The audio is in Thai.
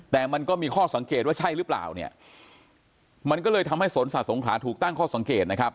แต่มันก็มีข้อสังเกตว่าใช่หรือเปล่าเนี่ยมันก็เลยทำให้สวนสัตว์สงขลาถูกตั้งข้อสังเกตนะครับ